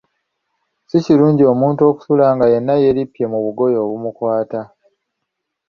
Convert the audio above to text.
Si kirungi muntu kusula nga yenna yeerippye mu bugoye obumukwata.